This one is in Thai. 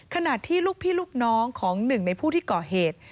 ขณะที่ลูกพี่ลูกน้องของหนึ่งในผู้ที่ก่อเหตุ